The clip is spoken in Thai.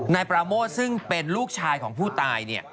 นายปราโมทซึ่งเป็นลูกชายของผู้ตายเนี่ย